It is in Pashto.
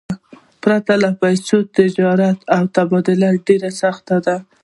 پرته له پیسو، تجارت او تبادله ډېره سخته ده.